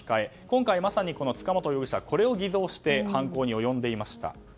今回まさに塚本容疑者はこれを偽造して犯行に及んでいました。